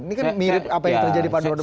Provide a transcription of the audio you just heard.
ini kan mirip apa yang terjadi pada tahun depan